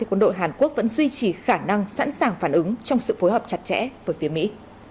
quân đội hàn quốc vẫn duy trì khả năng sẵn sàng phản ứng trong sự phối hợp chặt chẽ với phía mỹ